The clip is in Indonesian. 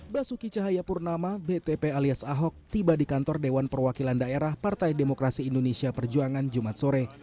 basuki cahayapurnama btp alias ahok tiba di kantor dewan perwakilan daerah partai demokrasi indonesia perjuangan jumat sore